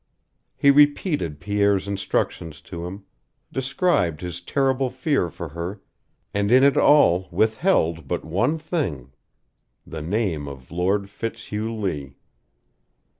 He repeated Pierre's instructions to him, described his terrible fear for her, and in it all withheld but one thing the name of Lord Fitzhugh Lee.